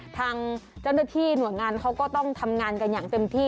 ทางเจ้าหน้าที่หน่วยงานเขาก็ต้องทำงานกันอย่างเต็มที่